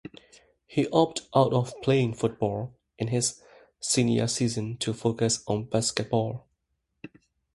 He opted out of playing football in his senior season to focus on basketball.